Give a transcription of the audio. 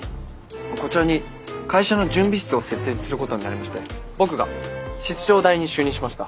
こちらに会社の準備室を設立することになりまして僕が室長代理に就任しました。